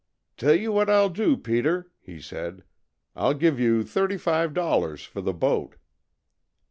"Tell you what I'll do, Peter," he said, "I'll give you thirty five dollars for the boat."